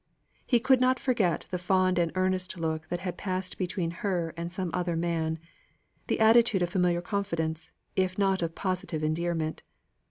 He could not forget the fond and earnest look that had passed between her and some other man the attitude of familiar confidence, if not of positive endearment.